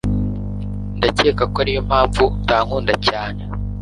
ndakeka ko ariyo mpamvu utankunda cyane